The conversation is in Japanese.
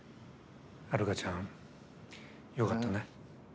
ハルカちゃんよかったね。